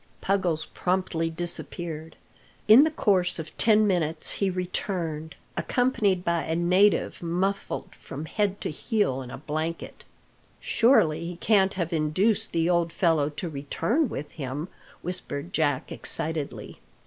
Puggles promptly disappeared. In the course of ten minutes he returned, accompanied by a native muffled from head to heel in a blanket. "Surely he can't have induced the old fellow to return with him!" whispered Jack excitedly.